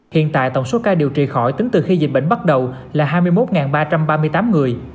hiện tại tổng số ca điều trị khỏi tính từ khi dịch bệnh bắt đầu là hai mươi một ba trăm ba mươi tám người